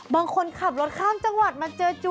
บางคนขับรถข้ามจังหวัดมาเจอจู